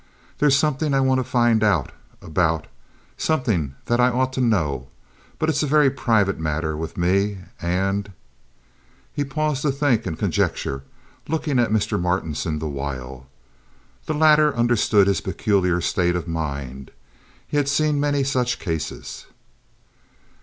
There's somethin' I want to find out about—somethin' that I ought to know; but it's a very private matter with me, and—" He paused to think and conjecture, looking at Mr. Martinson the while. The latter understood his peculiar state of mind. He had seen many such cases.